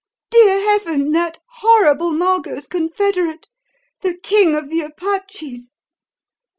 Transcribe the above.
"Dear heaven, that horrible Margot's confederate, the King of the Apaches!"